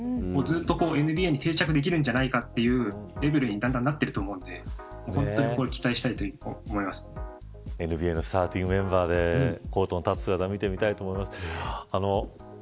ずっとＮＢＡに定着できるんじゃないかというレベルにだんだんなっていると思うのでＮＢＡのスターティングメンバーでコートに立つ姿を見てみたいと思います。